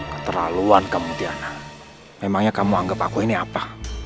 keterlaluan kamu tiana memangnya kamu anggap aku ini apa